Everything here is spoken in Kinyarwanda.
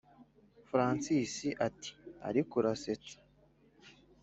francis ati”ariko uransetsa